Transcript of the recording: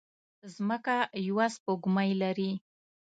ځمکه يوه سپوږمۍ لري